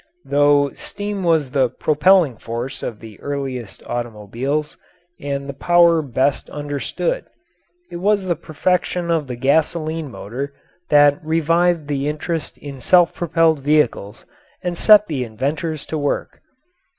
Though steam was the propelling force of the earliest automobiles, and the power best understood, it was the perfection of the gasoline motor that revived the interest in self propelled vehicles and set the inventors to work.